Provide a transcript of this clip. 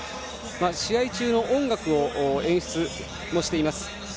試合中の音楽を演出しています。